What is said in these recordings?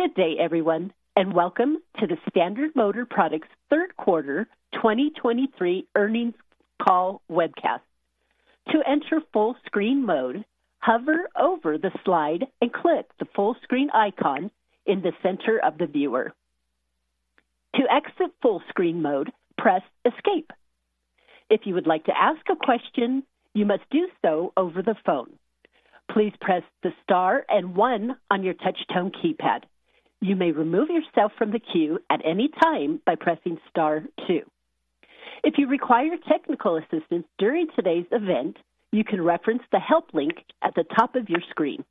Good day, everyone, and welcome to the Standard Motor Products Third Quarter 2023 Earnings Call Webcast. To enter full screen mode, hover over the slide and click the full screen icon in the center of the viewer. To exit full screen mode, press Escape. If you would like to ask a question, you must do so over the phone. Please press the star and one on your touch-tone keypad. You may remove yourself from the queue at any time by pressing star two. If you require technical assistance during today's event, you can reference the help link at the top of your screen.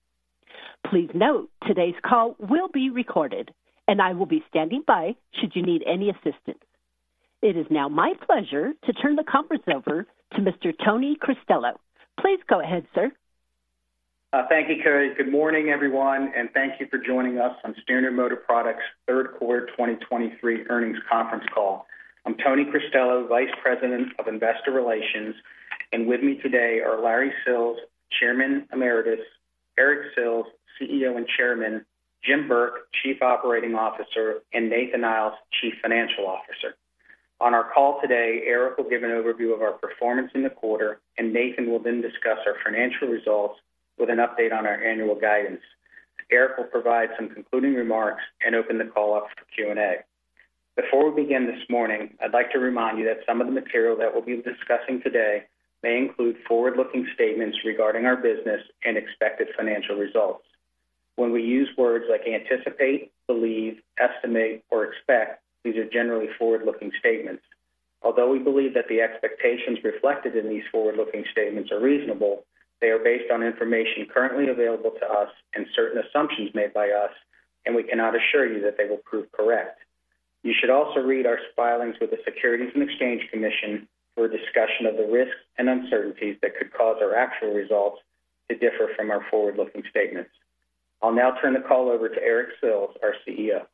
Please note, today's call will be recorded, and I will be standing by should you need any assistance. It is now my pleasure to turn the conference over to Mr. Tony Cristello. Please go ahead, sir. Thank you, Cory. Good morning, everyone, and thank you for joining us on Standard Motor Products Third Quarter 2023 Earnings Conference Call. I'm Tony Cristello, Vice President of Investor Relations, and with me today are Larry Sills, Chairman Emeritus, Eric Sills, CEO and Chairman, Jim Burke, Chief Operating Officer, and Nathan Iles, Chief Financial Officer. On our call today, Eric will give an overview of our performance in the quarter, and Nathan will then discuss our financial results with an update on our annual guidance. Eric will provide some concluding remarks and open the call up for Q&A. Before we begin this morning, I'd like to remind you that some of the material that we'll be discussing today may include forward-looking statements regarding our business and expected financial results. When we use words like anticipate, believe, estimate, or expect, these are generally forward-looking statements. Although we believe that the expectations reflected in these forward-looking statements are reasonable, they are based on information currently available to us and certain assumptions made by us, and we cannot assure you that they will prove correct. You should also read our filings with the Securities and Exchange Commission for a discussion of the risks and uncertainties that could cause our actual results to differ from our forward-looking statements. I'll now turn the call over to Eric Sills, our CEO.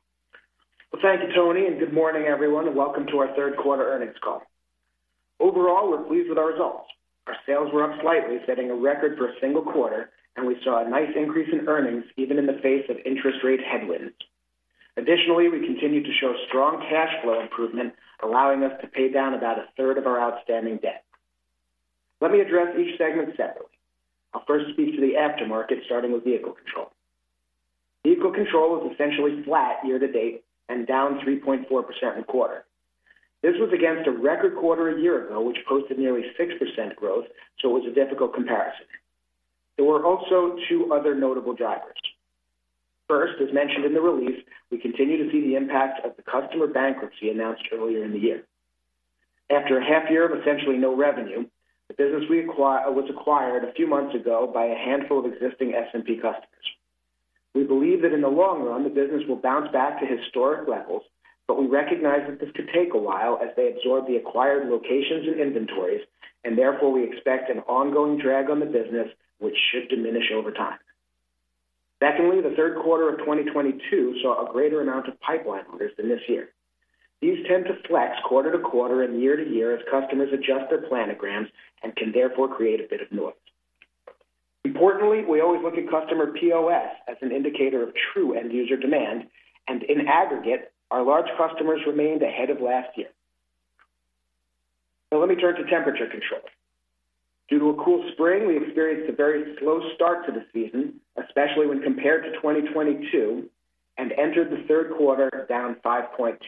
Well, thank you, Tony, and good morning, everyone. Welcome to our third quarter earnings call. Overall, we're pleased with our results. Our sales were up slightly, setting a record for a single quarter, and we saw a nice increase in earnings, even in the face of interest rate headwinds. Additionally, we continued to show strong cash flow improvement, allowing us to pay down about 1/3 of our outstanding debt. Let me address each segment separately. I'll first speak to the aftermarket, starting with Vehicle Control. Vehicle Control was essentially flat year-to-date and down 3.4% in the quarter. This was against a record quarter a year ago, which posted nearly 6% growth, so it was a difficult comparison. There were also two other notable drivers. First, as mentioned in the release, we continue to see the impact of the customer bankruptcy announced earlier in the year. After a half year of essentially no revenue, the business was acquired a few months ago by a handful of existing SMP customers. We believe that in the long run, the business will bounce back to historic levels, but we recognize that this could take a while as they absorb the acquired locations and inventories, and therefore we expect an ongoing drag on the business, which should diminish over time. Secondly, the third quarter of 2022 saw a greater amount of pipeline orders than this year. These tend to flex quarter-to-quarter and year-to-year as customers adjust their planograms and can therefore create a bit of noise. Importantly, we always look at customer POS as an indicator of true end user demand, and in aggregate, our large customers remained ahead of last year. Now let me turn to Temperature Control. Due to a cool spring, we experienced a very slow start to the season, especially when compared to 2022, and entered the third quarter down 5.2%.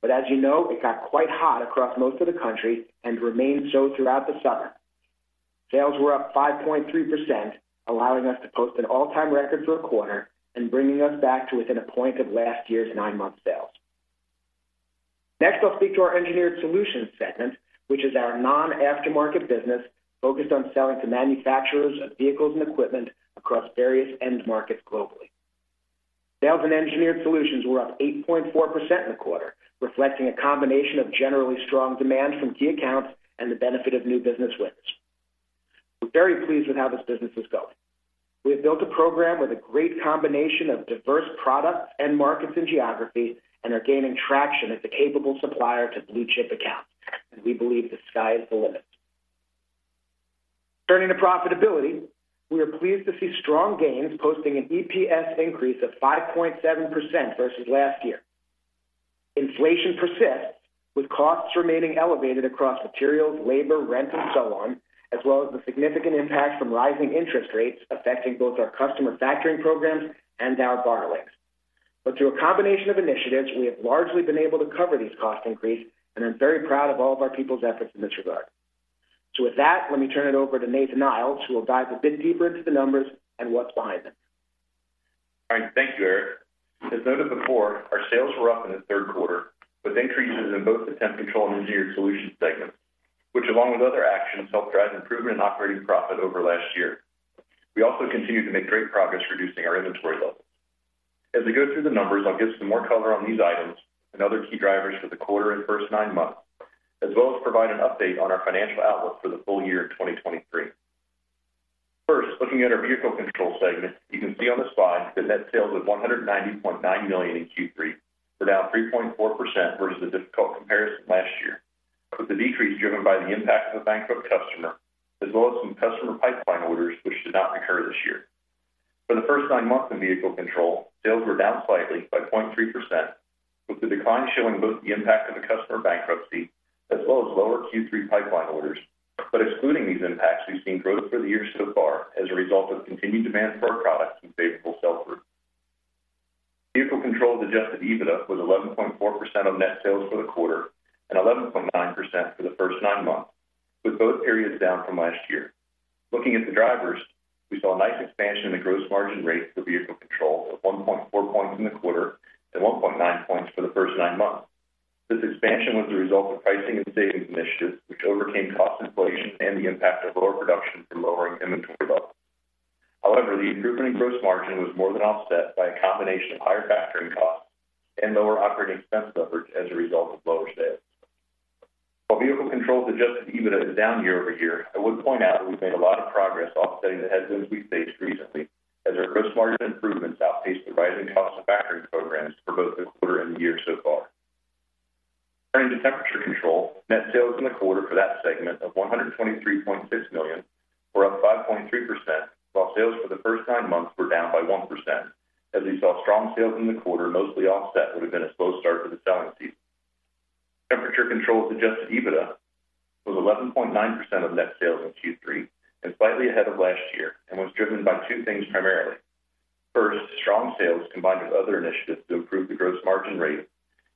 But as you know, it got quite hot across most of the country and remained so throughout the summer. Sales were up 5.3%, allowing us to post an all-time record for a quarter and bringing us back to within a point of last year's nine-month sales. Next, I'll speak to our Engineered Solutions segment, which is our non-aftermarket business, focused on selling to manufacturers of vehicles and equipment across various end markets globally. Sales in Engineered Solutions were up 8.4% in the quarter, reflecting a combination of generally strong demand from key accounts and the benefit of new business wins. We're very pleased with how this business is going. We have built a program with a great combination of diverse products and markets and geographies, and are gaining traction as a capable supplier to blue chip accounts, and we believe the sky is the limit. Turning to profitability, we are pleased to see strong gains, posting an EPS increase of 5.7% versus last year. Inflation persists, with costs remaining elevated across materials, labor, rent, and so on, as well as the significant impact from rising interest rates affecting both our customer factoring programs and our borrowings. But through a combination of initiatives, we have largely been able to cover these cost increases, and I'm very proud of all of our people's efforts in this regard. So with that, let me turn it over to Nathan Iles, who will dive a bit deeper into the numbers and what's behind them. All right, thank you, Eric. As noted before, our sales were up in the third quarter, with increases in both the Temp Control and Engineered Solutions segment, which along with other actions, helped drive improvement in operating profit over last year. We also continued to make great progress reducing our inventory levels. As I go through the numbers, I'll give some more color on these items and other key drivers for the quarter and first nine months, as well as provide an update on our financial outlook for the full year of 2023. First, looking at our Vehicle Control segment, you can see on the slide that net sales of $190.9 million in Q3 were down 3.4% versus the difficult comparison last year, with the decrease driven by the impact of a bankrupt customer, as well as some customer pipeline orders, which did not occur this year. For the first nine months of Vehicle Control, sales were down slightly by 0.3%, with the decline showing both the impact of the customer bankruptcy as well as lower Q3 pipeline orders. But excluding these impacts, we've seen growth for the year so far as a result of continued demand for our products and favorable sell-through. Vehicle Control's adjusted EBITDA was 11.4% of net sales for the quarter and 11.9% for the first nine months, with both areas down from last year. Looking at the drivers, we saw a nice expansion in the gross margin rate for Vehicle Control of 1.4 points in the quarter and 1.9 points for the first nine months. This expansion was the result of pricing and savings initiatives, which overcame cost inflation and the impact of lower production from lowering inventory levels. However, the improvement in gross margin was more than offset by a combination of higher factoring costs and lower operating expense leverage as a result of lower sales. While Vehicle Control's adjusted EBITDA is down year-over-year, I would point out that we've made a lot of progress offsetting the headwinds we faced recently, as our gross margin improvements outpaced the rising cost of factoring programs for both the quarter and the year so far. Turning to Temperature Control, net sales in the quarter for that segment of $123.6 million were up 5.3%, while sales for the first nine months were down by 1%, as we saw strong sales in the quarter, mostly offset what had been a slow start to the selling season. Temperature Control's Adjusted EBITDA was 11.9% of net sales in Q3 and slightly ahead of last year and was driven by two things primarily. First, strong sales combined with other initiatives to improve the gross margin rate.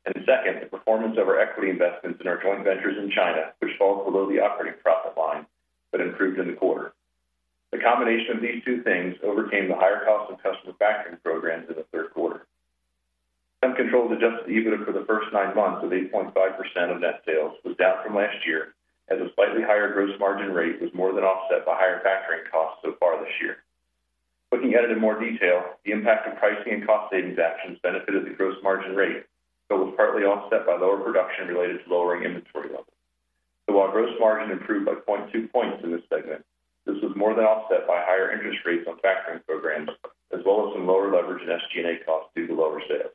And second, the performance of our equity investments in our joint ventures in China, which fall below the operating profit line, but improved in the quarter. The combination of these two things overcame the higher cost of customer factoring programs in the third quarter. Temperature Control's adjusted EBITDA for the first nine months of 8.5% of net sales was down from last year, as a slightly higher gross margin rate was more than offset by higher factoring costs so far this year. Looking at it in more detail, the impact of pricing and cost savings actions benefited the gross margin rate, but was partly offset by lower production related to lowering inventory levels. So while gross margin improved by 0.2 points in this segment, this was more than offset by higher interest rates on factoring programs, as well as some lower leverage and SG&A costs due to lower sales.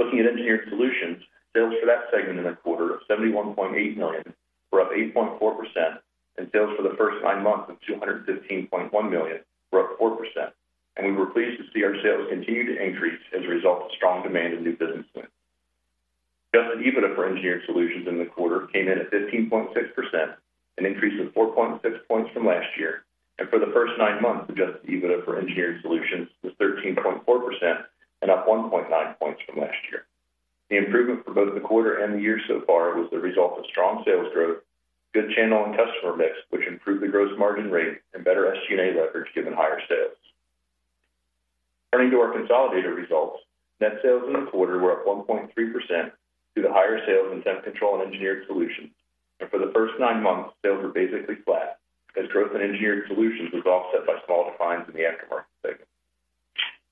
Looking at Engineered Solutions, sales for that segment in the quarter of $71.8 million were up 8.4%, and sales for the first nine months of $215.1 million were up 4%, and we were pleased to see our sales continue to increase as a result of strong demand and new business wins. Adjusted EBITDA for Engineered Solutions in the quarter came in at 15.6%, an increase of 4.6 points from last year, and for the first nine months, Adjusted EBITDA for Engineered Solutions was 13.4% and up 1.9 points from last year. The improvement for both the quarter and the year so far was the result of strong sales growth, good channel and customer mix, which improved the gross margin rate and better SG&A leverage given higher sales. Turning to our consolidated results, net sales in the quarter were up 1.3% due to higher sales in Temp Control and Engineered Solutions. For the first 9 months, sales were basically flat as growth in Engineered Solutions was offset by small declines in the aftermarket segment.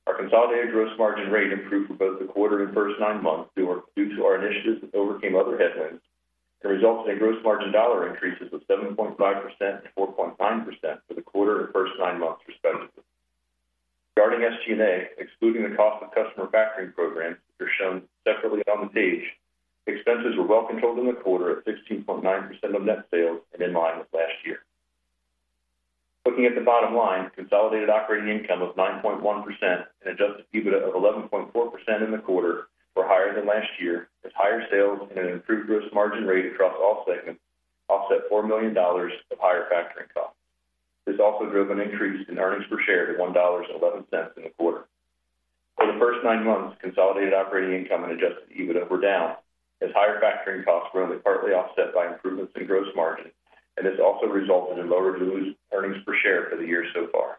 Our consolidated gross margin rate improved for both the quarter and first nine months due to our initiatives that overcame other headwinds and resulted in gross margin dollar increases of 7.5% and 4.9% for the quarter and first 9 months, respectively. Regarding SG&A, excluding the cost of customer factoring programs, which are shown separately on the page, expenses were well controlled in the quarter at 16.9% of net sales and in line with last year. Looking at the bottomline, consolidated operating income of 9.1% and adjusted EBITDA of 11.4% in the quarter were higher than last year, as higher sales and an improved gross margin rate across all segments offset $4 million of higher factoring costs. This also drove an increase in earnings per share to $1.11 in the quarter. For the first nine months, consolidated operating income and adjusted EBITDA were down, as higher factoring costs were only partly offset by improvements in gross margin, and this also resulted in lower earnings per share for the year so far.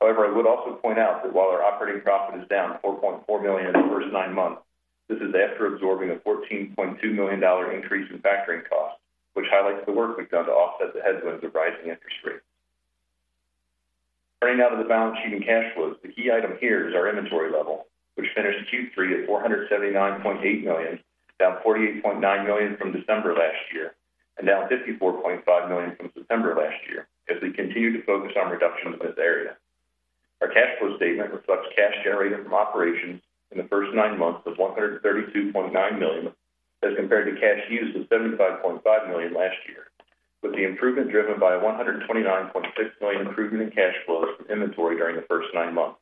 However, I would also point out that while our operating profit is down $4.4 million in the first nine months, this is after absorbing a $14.2 million increase in factoring costs, which highlights the work we've done to offset the headwinds of rising interest rates. Turning now to the balance sheet and cash flows, the key item here is our inventory level, which finished Q3 at $479.8 million, down $48.9 million from December last year and down $54.5 million from September last year, as we continue to focus on reductions in this area. Our cash flow statement reflects cash generated from operations in the first nine months of $132.9 million as compared to cash used of $75.5 million last year, with the improvement driven by a $129.6 million improvement in cash flows from inventory during the first nine months.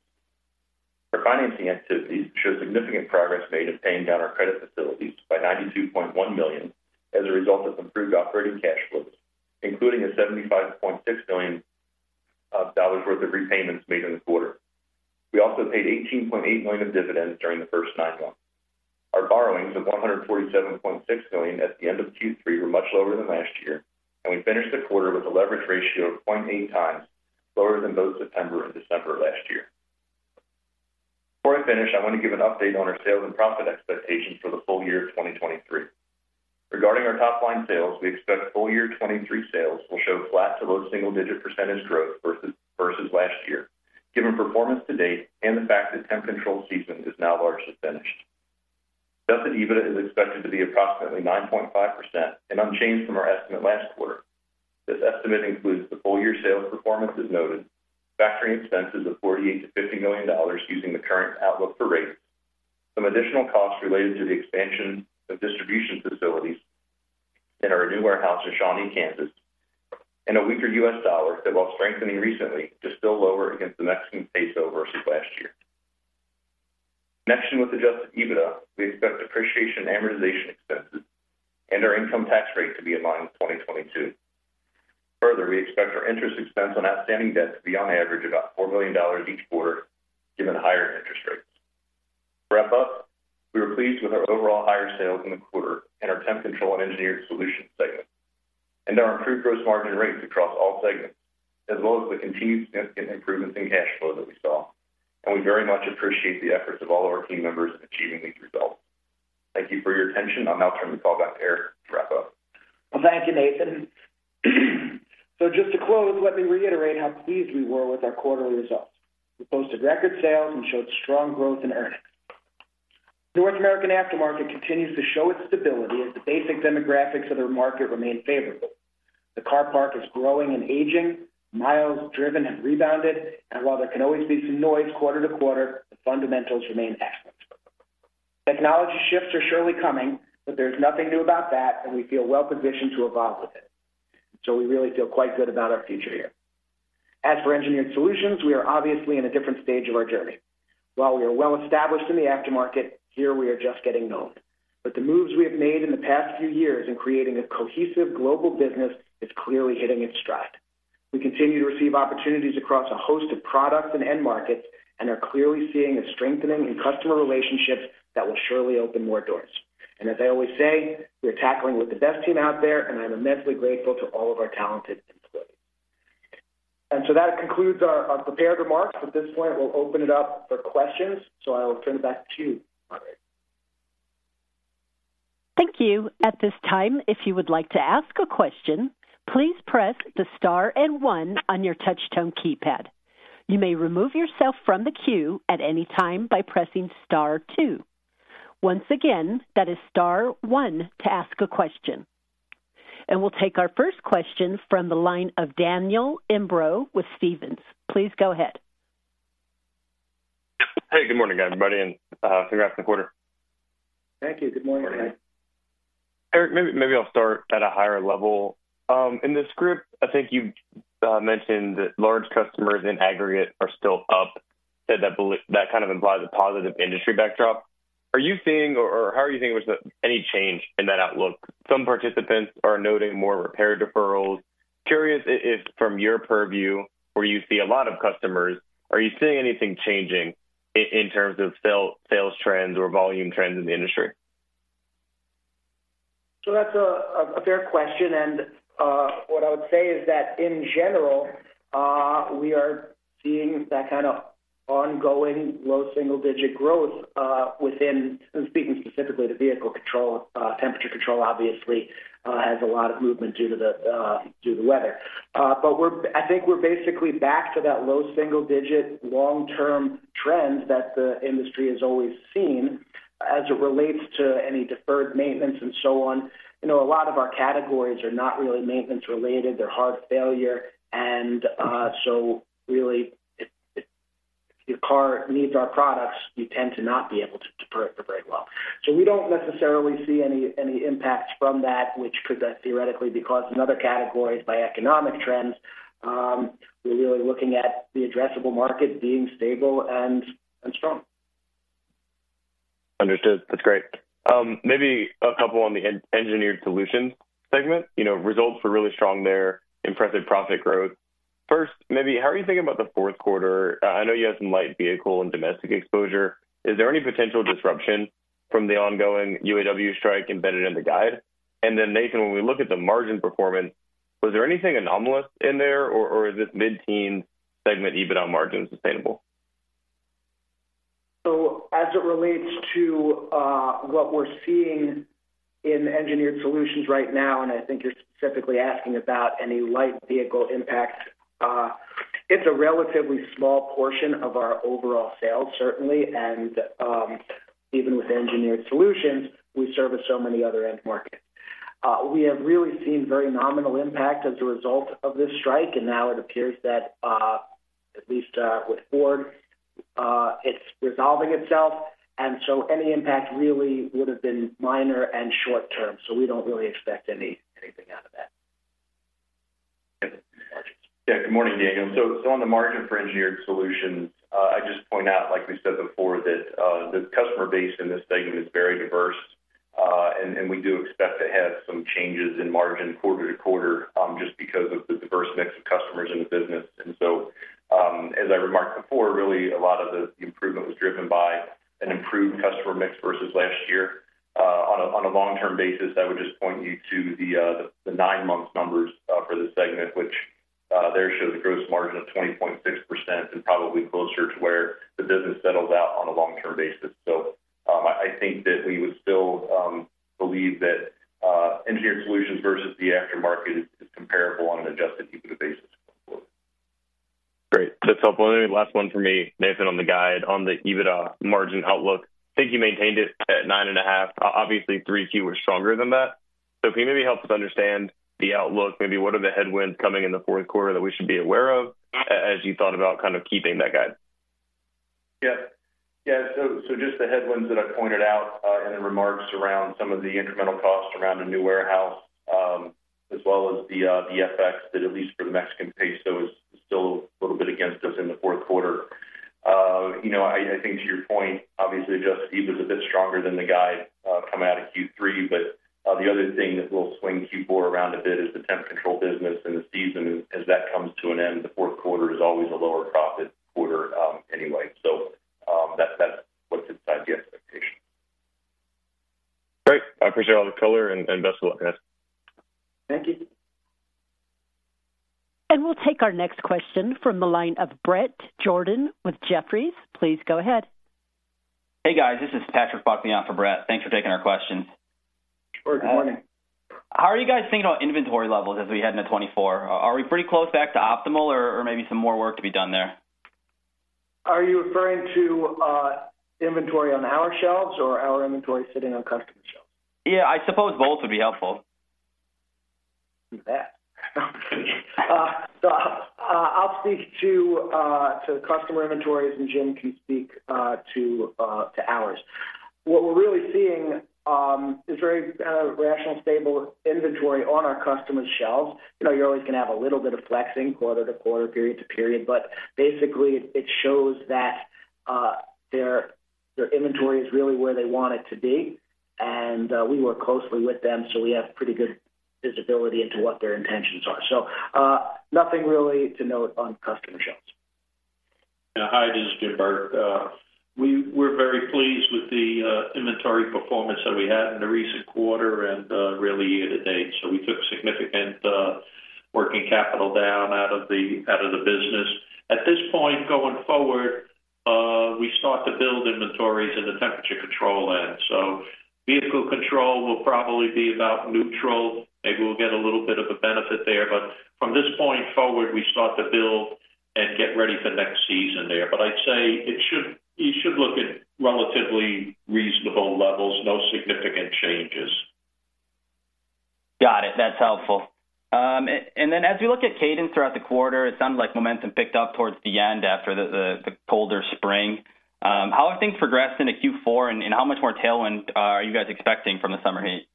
Our financing activities show significant progress made in paying down our credit facilities by $92.1 million as a result of improved operating cash flows, including a $75.6 million worth of repayments made in the quarter. We also paid $18.8 million of dividends during the first nine months. Our borrowings of $147.6 million at the end of Q3 were much lower than last year, and we finished the quarter with a leverage ratio of 0.8 times, lower than both September and December of last year. Before I finish, I want to give an update on our sales and profit expectations for the full year of 2023. Regarding our topline sales, we expect full year 2023 sales will show flat to low single-digit percentage growth versus last year, given performance to date and the fact that Temp Control season is now largely finished. Adjusted EBITDA is expected to be approximately 9.5% and unchanged from our estimate last quarter. This estimate includes the full year sales performance as noted, factoring expenses of [$48 million-$50 million] using the current outlook for rates, some additional costs related to the expansion of distribution facilities in our new warehouse in Shawnee, Kansas, and a weaker U.S. dollar that, while strengthening recently, is still lower against the Mexican peso versus last year. Next, with adjusted EBITDA, we expect depreciation and amortization expenses and our income tax rate to be in line with 2022. Further, we expect our interest expense on outstanding debt to be on average, about $4 million each quarter, given higher interest rates. To wrap up, we were pleased with our overall higher sales in the quarter and our Temp Control and Engineered Solutions segment, and our improved gross margin rates across all segments, as well as the continued significant improvements in cash flow that we saw. We very much appreciate the efforts of all of our team members in achieving these results. Thank you for your attention. I'll now turn the call back to Eric to wrap up. Well, thank you, Nathan. So just to close, let me reiterate how pleased we were with our quarterly results. We posted record sales and showed strong growth in earnings. North American aftermarket continues to show its stability as the basic demographics of the market remain favorable. The car park is growing and aging, miles driven have rebounded, and while there can always be some noise quarter-to-quarter, the fundamentals remain excellent. Technology shifts are surely coming, but there's nothing new about that, and we feel well positioned to evolve with it. So we really feel quite good about our future here. As for Engineered Solutions, we are obviously in a different stage of our journey. While we are well established in the aftermarket, here we are just getting known. But the moves we have made in the past few years in creating a cohesive global business is clearly hitting its stride. We continue to receive opportunities across a host of products and end markets, and are clearly seeing a strengthening in customer relationships that will surely open more doors. And as I always say, we're tackling with the best team out there, and I'm immensely grateful to all of our talented employees. And so that concludes our prepared remarks. At this point, we'll open it up for questions. So I will turn it back to you, operator. Thank you. At this time, if you would like to ask a question, please press the star and one on your touchtone keypad. You may remove yourself from the queue at any time by pressing star two. Once again, that is star one to ask a question. We'll take our first question from the line of Daniel Imbro with Stephens. Please go ahead. Hey, good morning, everybody, and congrats on the quarter. Thank you. Good morning. Eric, maybe, maybe I'll start at a higher level. In the script, I think you mentioned that large customers in aggregate are still up. Said that that kind of implies a positive industry backdrop. Are you seeing or how are you thinking there's any change in that outlook? Some participants are noting more repair deferrals. Curious if from your purview, where you see a lot of customers, are you seeing anything changing in terms of sales trends or volume trends in the industry? So that's a fair question, and what I would say is that in general, we are seeing that kind of ongoing low single-digit growth within. I'm speaking specifically to Vehicle Control. Temperature Control obviously has a lot of movement due to the weather. But we're -- I think we're basically back to that low single digit, long-term trend that the industry has always seen as it relates to any deferred maintenance and so on. You know, a lot of our categories are not really maintenance related. They're hard failure, and so really, if your car needs our products, you tend to not be able to defer it for very well. So we don't necessarily see any impacts from that, which could theoretically be caused in other categories by economic trends. We're really looking at the addressable market being stable and strong. Understood. That's great. Maybe a couple on the Engineered Solutions segment. You know, results were really strong there, impressive profit growth. First, maybe how are you thinking about the fourth quarter? I know you have some light vehicle and domestic exposure. Is there any potential disruption from the ongoing UAW strike embedded in the guide? And then, Nathan, when we look at the margin performance, was there anything anomalous in there, or is this mid-teen segment EBITDA margin sustainable? So as it relates to what we're seeing in Engineered Solutions right now, and I think you're specifically asking about any light vehicle impact, it's a relatively small portion of our overall sales, certainly and even with Engineered Solutions, we service so many other end markets. We have really seen very nominal impact as a result of this strike, and now it appears that at least with Ford it's resolving itself, and so any impact really would have been minor and short term, so we don't really expect anything out of that. Yeah, good morning, Daniel. So on the margin for Engineered Solutions, I just point out, like we said before, that the customer base in this segment is very diverse, and we do expect to have some changes in margin quarter-to-quarter, just because of the diverse mix of customers in the business. And so, as I remarked before, really a lot of the improvement was driven by an improved customer mix versus last year. On a long-term basis, I would just point you to the nine-month numbers for the segment, which there shows a gross margin of 20.6% and probably closer to where the business settles out on a long-term basis. So, I think that we would still believe that Engineered Solutions versus the aftermarket is comparable on an adjusted EBITDA basis. Great. That's helpful. Then last one for me, Nathan, on the guide, on the EBITDA margin outlook. I think you maintained it at 9.5%. Obviously, Q3 was stronger than that. So can you maybe help us understand the outlook? Maybe what are the headwinds coming in the fourth quarter that we should be aware of as you thought about kind of keeping that guide? Yeah. Yeah, so, so just the headwinds that I pointed out in the remarks around some of the incremental costs around a new warehouse, as well as the, the FX that, at least for the Mexican peso, is still a little bit against us in the fourth quarter. You know, I think to your point, obviously, just EBITDA is a bit stronger than the guide, coming out of Q3. But, the other thing that will swing Q4 around a bit is the temp control business and the season as that comes to an end. The fourth quarter is always a lower profit quarter, anyway. So, that's what's inside the expectation. Great. I appreciate all the color and best of luck, guys. Thank you. We'll take our next question from the line of Bret Jordan with Jefferies. Please go ahead. Hey, guys. This is Patrick Buckley on for Bret. Thanks for taking our questions. Sure. Good morning. How are you guys thinking about inventory levels as we head into 2024? Are we pretty close back to optimal or, or maybe some more work to be done there? Are you referring to, inventory on our shelves or our inventory sitting on customer shelves? Yeah, I suppose both would be helpful. You bet. So, I'll speak to customer inventories, and Jim can speak to ours. What we're really seeing is very rational, stable inventory on our customers' shelves. You know, you're always gonna have a little bit of flexing quarter-to-quarter, period-to-period, but basically it shows that their inventory is really where they want it to be. And we work closely with them, so we have pretty good visibility into what their intentions are. So, nothing really to note on customer shelves. Yeah, hi, this is Jim Burke. We're very pleased with the inventory performance that we had in the recent quarter and really year-to-date. So we took significant working capital down out of the business. At this point, going forward, we start to build inventories in the Temperature Control end. So Vehicle Control will probably be about neutral. Maybe we'll get a little bit of a benefit there, but from this point forward, we start to build and get ready for next season there. But I'd say it should. You should look at relatively reasonable levels, no significant changes. Got it. That's helpful. And then as we look at cadence throughout the quarter, it sounds like momentum picked up towards the end after the colder spring. How have things progressed into Q4, and how much more tailwind are you guys expecting from the summer heat?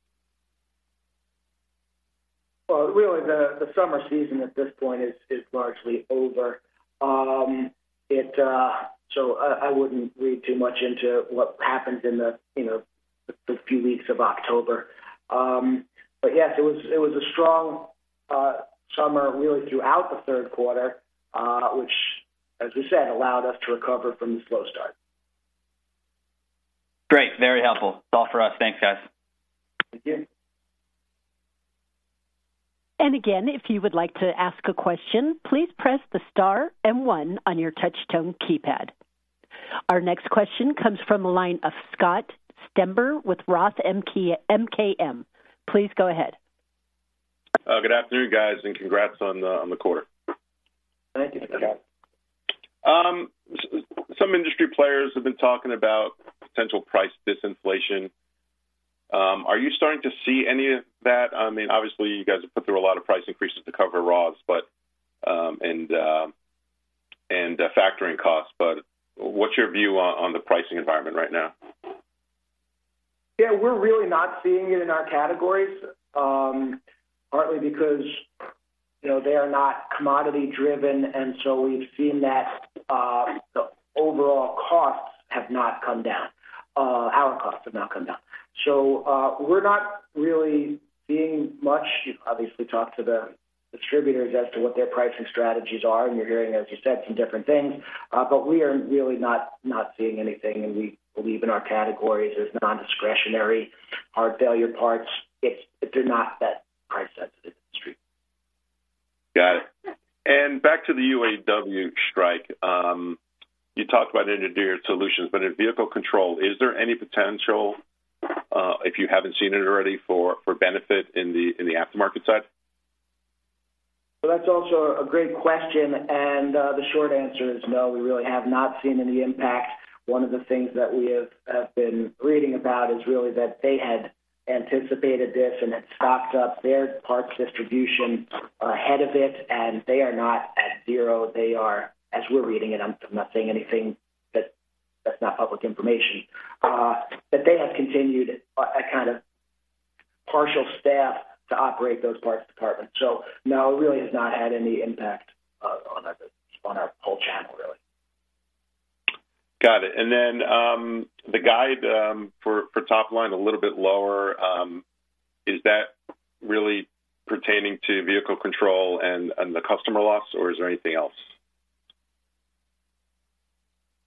Well, really, the summer season at this point is largely over. So I wouldn't read too much into what happens in the, you know, the few weeks of October. But yes, it was a strong summer, really throughout the third quarter, which, as we said, allowed us to recover from the slow start. Great. Very helpful. That's all for us. Thanks, guys. Thank you. And again, if you would like to ask a question, please press the star and one on your touch tone keypad. Our next question comes from the line of Scott Stember with ROTH MKM. Please go ahead. Good afternoon, guys, and congrats on the quarter. Thank you, Scott. Some industry players have been talking about potential price disinflation. Are you starting to see any of that? I mean, obviously, you guys have put through a lot of price increases to cover raws, but -- and factoring costs. But what's your view on the pricing environment right now? Yeah, we're really not seeing it in our categories, partly because, you know, they are not commodity driven, and so we've seen that, the overall costs have not come down. Our costs have not come down. So, we're not really seeing much. You've obviously talked to the distributors as to what their pricing strategies are, and you're hearing as you said, some different things. But we are really not, not seeing anything, and we believe in our categories as non-discretionary hard failure parts. They're not that price sensitive industry. Got it. And back to the UAW strike. You talked about Engineered Solutions, but in vehicle control, is there any potential for benefit in the aftermarket side? So that's also a great question, and, the short answer is no, we really have not seen any impact. One of the things that we have been reading about is really that they had anticipated this and had stocked up their parts distribution ahead of it, and they are not at zero. They are, as we're reading it, I'm not saying anything that's not public information, but they have continued a kind of partial staff to operate those [departments]. So no, it really has not had any impact, on our whole channel, really. Got it. And then, the guide for topline a little bit lower, is that really pertaining to Vehicle Control and the customer loss, or is there anything else?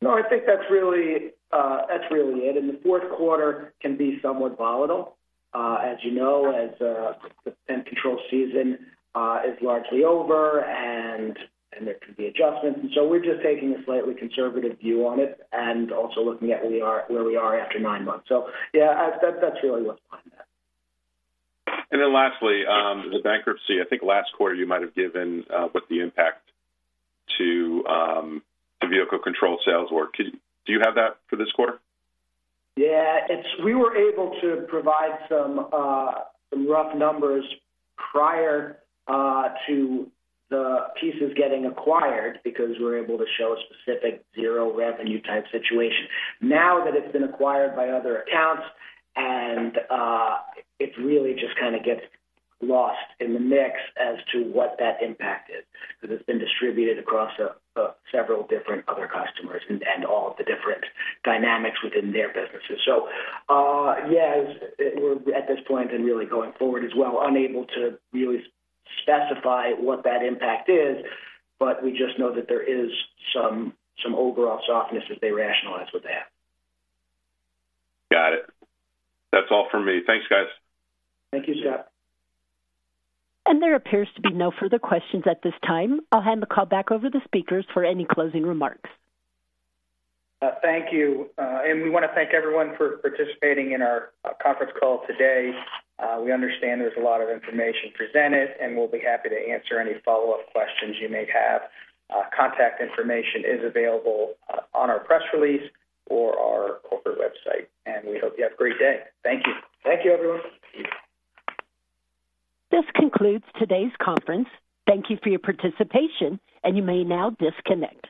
No, I think that's really it. The fourth quarter can be somewhat volatile, as you know, as, the Temp Control season is largely over and there could be adjustments. So we're just taking a slightly conservative view on it and also looking at where we are after nine months. So yeah, that, that's really what's behind that. And then lastly, the bankruptcy. I think last quarter you might have given what the impact to the Vehicle Control sales were. Do you have that for this quarter? Yeah. It's -- we were able to provide some rough numbers prior to the pieces getting acquired because we're able to show a specific zero revenue type situation. Now that it's been acquired by other accounts and, it really just kind of gets lost in the mix as to what that impact is, because it's been distributed across several different other customers and all the different dynamics within their businesses. So, yes, we're at this point and really going forward as well, unable to really specify what that impact is, but we just know that there is some, some overall softness as they rationalize what they have. Got it. That's all from me. Thanks, guys. Thank you, Scott. And there appears to be no further questions at this time. I'll hand the call back over to the speakers for any closing remarks. Thank you. We wanna thank everyone for participating in our conference call today. We understand there's a lot of information presented, and we'll be happy to answer any follow-up questions you may have. Contact information is available on our press release or our corporate website, and we hope you have a great day. Thank you. Thank you, everyone. This concludes today's conference. Thank you for your participation, and you may now disconnect.